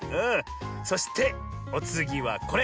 そしておつぎはこれ。